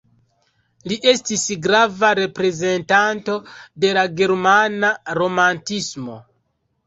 Li estis grava reprezentanto de la germana romantismo.